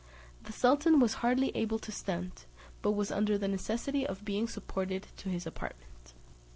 The sultan was hardly able to stand, but was under the necessity of being supported to his apartment.